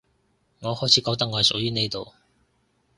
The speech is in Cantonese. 我開始覺得我係屬於呢度